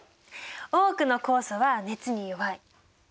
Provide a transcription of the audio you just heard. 多くの酵素は熱に弱い。